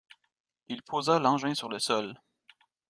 Il posa l’engin sur le sol.